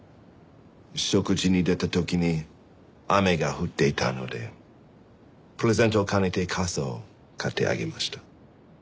食事に出た時に雨が降っていたのでプレゼントを兼ねて傘を買ってあげました。